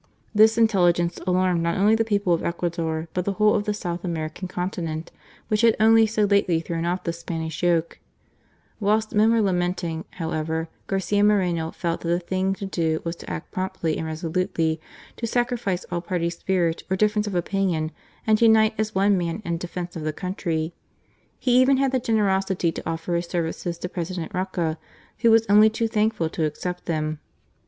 This intelligence alarmed not only the people of Ecuador, but the whole of the South American Continent, which had only so lately thrown off the Spanish yoke. 32 GARCIA MORENO. Whilst men were lamenting, however, Garcia Moreno felt that the thing to do was to act promptly and resolutely ; to sacrifice all party spirit or differ ence of opinion and to unite as one man in defence of the country. He even had the generosity to offer his services to President Roca, who was only too thankful to accept them.